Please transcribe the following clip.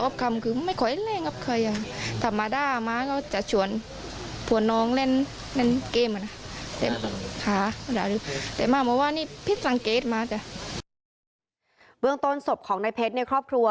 เบื้องต้นศพของนายเพชรเนี่ยครอบครัว